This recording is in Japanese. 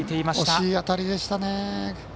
惜しい当たりでしたね。